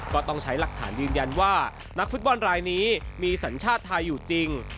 ก็ต้องใช้หลักฐานยืนยันว่านักฟุตบอลรายนี้มีสัญชาติไทยอยู่จริง